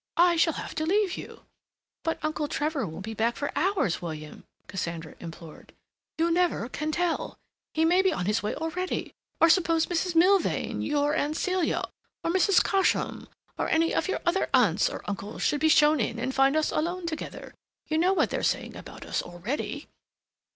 I shall have to leave you." "But Uncle Trevor won't be back for hours, William!" Cassandra implored. "You never can tell. He may be on his way already. Or suppose Mrs. Milvain—your Aunt Celia—or Mrs. Cosham, or any other of your aunts or uncles should be shown in and find us alone together. You know what they're saying about us already."